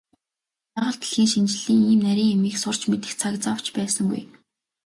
Байгаль дэлхийн шинжлэлийн ийм нарийн юмыг сурч мэдэх цаг зав ч байсангүй.